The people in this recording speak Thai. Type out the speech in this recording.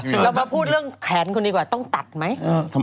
เรามาพูดเรื่องแขนคนดีกว่าต้องตัดไหม